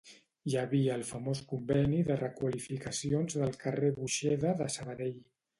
Hi havia el famós conveni de requalificacions del carrer Buxeda de Sabadell